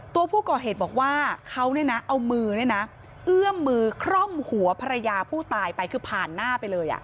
ตัวผู้ก่อเหตุบอกว่าเขาเนี่ยนะเอามือเนี่ยนะเอื้อมมือคล่องหัวภรรยาผู้ตายไปคือผ่านหน้าไปเลยอ่ะ